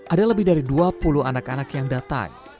ada lebih dari dua puluh anak anak yang datang